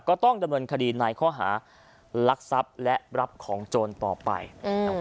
ก็ต้องดำเนินคดีในข้อหารักทรัพย์และรับของโจรต่อไป